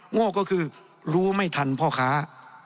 โง่ก็คือรู้ไม่ทันพ่อค้า